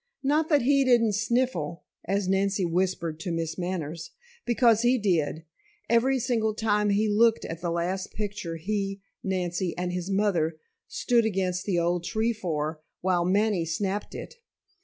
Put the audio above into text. Not that he didn't sniffle, as Nancy whispered to Miss Manners, because he did, every single time he looked at the last picture he, Nancy, and his mother stood against the old tree for, while Manny snapped it.